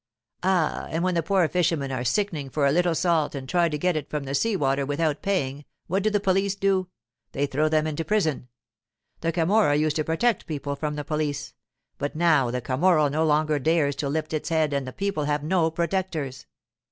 'Ah, and when the poor fishermen are sickening for a little salt and try to get it from the sea water without paying, what do the police do? They throw them into prison. The Camorra used to protect people from the police, but now the Camorra no longer dares to lift its head and the people have no protectors.